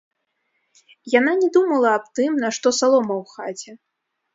Яна не думала аб тым, нашто салома ў хаце.